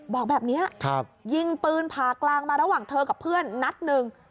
บอกแบบนี้ยิงปืนผ่ากลางมาระหว่างเธอกับเพื่อนนัดหนึ่ง